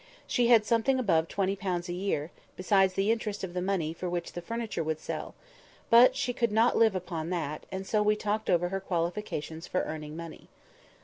She had something above twenty pounds a year, besides the interest of the money for which the furniture would sell; but she could not live upon that: and so we talked over her qualifications for earning money.